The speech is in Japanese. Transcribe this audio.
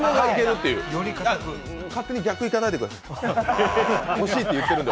勝手に逆いかないでください。